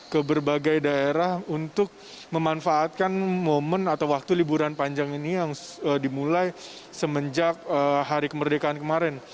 ke berbagai daerah untuk memanfaatkan momen atau waktu liburan panjang ini yang dimulai semenjak hari kemerdekaan kemarin